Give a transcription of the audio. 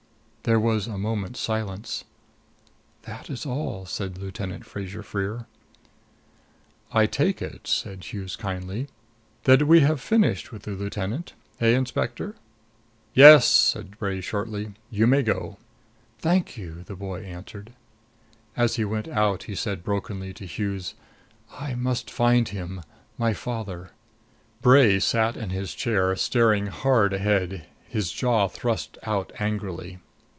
There was a moment's silence. "That is all," said Lieutenant Fraser Freer. "I take it," said Hughes kindly, "that we have finished with the lieutenant. Eh, Inspector?" "Yes," said Bray shortly. "You may go." "Thank you," the boy answered. As he went out he said brokenly to Hughes: "I must find him my father." Bray sat in his chair, staring hard ahead, his jaw thrust out angrily.